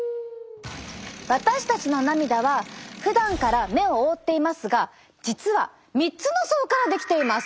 私たちの涙はふだんから目を覆っていますが実は３つの層から出来ています。